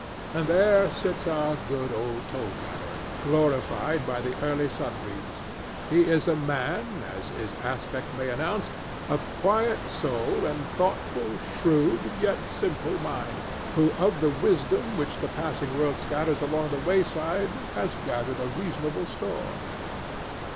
And there sits our good old toll gatherer, glorified by the early sunbeams. He is a man, as his aspect may announce, of quiet soul and thoughtful, shrewd, yet simple mind, who of the wisdom which the passing world scatters along the wayside has gathered a reasonable store.